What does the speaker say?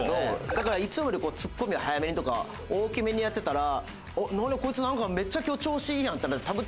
だからいつもよりツッコミを早めにとか大きめにやってたら「こいつなんかめっちゃ今日調子いいやん」ってなってたぶっ